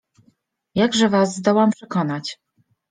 Jakże was zdołam przekonać?